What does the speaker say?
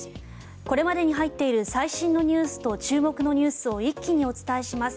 これまでに入っている最新ニュースと注目ニュースを一気にお伝えします。